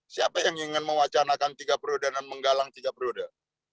siapa yang ingin mewacanakan tiga periode dan menggalang tiga periode